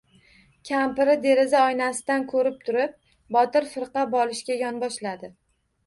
Kampiri deraza oynasidan ko‘rib turdi: Botir firqa bolishga yonboshladi.